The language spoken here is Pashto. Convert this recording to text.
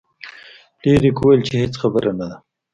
فلیریک وویل چې هیڅ خبره نه ده.